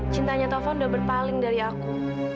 cintanya tofan udah berpaling dari aku